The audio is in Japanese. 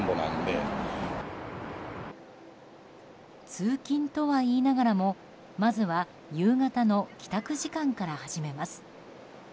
通勤とはいいながらも、まずは夕方の帰宅時間から始めます。